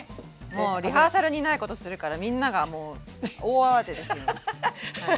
もうリハーサルにないことするからみんながもう大慌てですよ。